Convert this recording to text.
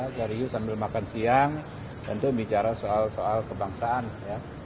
mungkin bukan siang tentu bicara soal soal kebangsaan ya